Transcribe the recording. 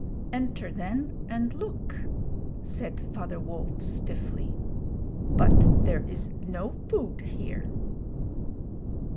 'Enter, then, and look,' said Father Wolf, stiffly; 'but there is no food here.'